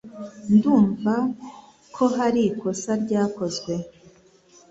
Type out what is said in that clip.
Ndumva ko hari ikosa ryakozwe.